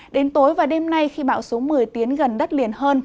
đến tối và đêm nay khi bão số một mươi tiến gần đất liền hơn